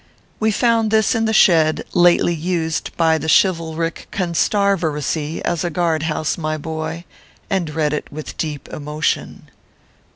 We found this in the shed lately used by the chiv alric Con s tar veracy as a guard house, my boy, and read it with deep emotion.